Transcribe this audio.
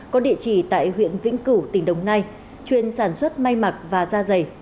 có địa chỉ tại huyện vĩnh cửu tỉnh đồng nai chuyên sản xuất may mặc và da dày